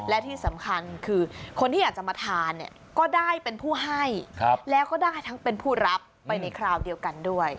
และที่สำคัญคือคนที่อยากจะมาทานเนี่ยก็ได้เป็นผู้ให้แล้วก็ได้ทั้งเป็นผู้รับไปในคราวเดียวกันด้วย